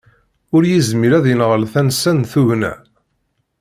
Ur yezmir ad yenɣel tansa n tugna